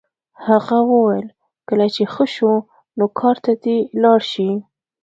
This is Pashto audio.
هغه وویل کله چې ښه شو نو کار ته دې لاړ شي